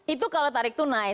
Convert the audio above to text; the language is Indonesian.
itu kalau tarik tunai